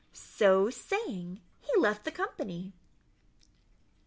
So saying, he left the company.